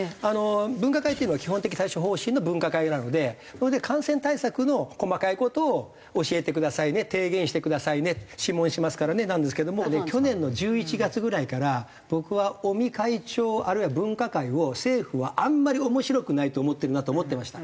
分科会というのは基本的対処方針の分科会なのでそれで感染対策の細かい事を教えてくださいね提言してくださいね諮問しますからねなんですけども去年の１１月ぐらいから僕は尾身会長あるいは分科会を政府はあんまり面白くないと思ってるなと思ってました。